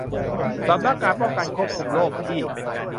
สำนักงานป้องกันควบคุมโรคที่